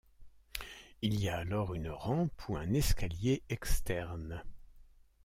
Il y a alors une rampe ou un escalier externe.